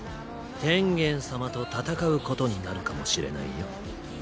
天元様と戦うことになるかもしれないよ